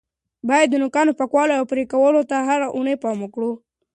باید د نوکانو پاکوالي او پرې کولو ته هره اونۍ پام وکړو.